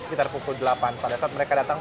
sekitar pukul delapan pada saat mereka datang